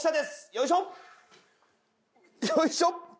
よいしょ！